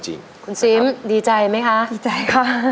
คุณซิมดีใจไหมคะดีใจค่ะ